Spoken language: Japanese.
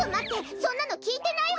そんなのきいてないわ！